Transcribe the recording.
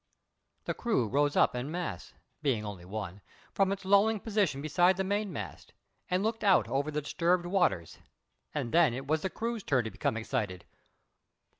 The crew rose up en masse being only one from its lolling position beside the mainmast, and looked out over the disturbed waters. And then it was the crew's turn to become excited.